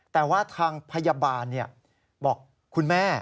แต่ว่าทางพยาบาลบอก